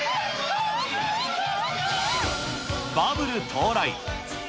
バブル到来。